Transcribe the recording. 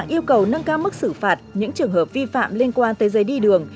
yêu cầu nâng cao mức xử phạt những trường hợp vi phạm liên quan tới giấy đi đường